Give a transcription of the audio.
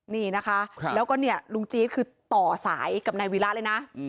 นี่นะคะแล้วก็เนี่ยลุงจี๊ดคือต่อสายกับนายวีระเลยนะ